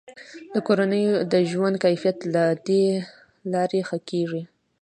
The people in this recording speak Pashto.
د کورنیو د ژوند کیفیت له دې لارې ښه کیږي.